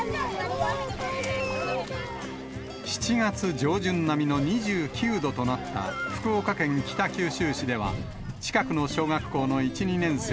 ７月上旬並みの２９度となった福岡県北九州市では、近くの小学校の１、２年生